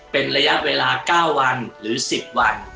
เป็นระยะเวลา๙วันหรือ๑๐วัน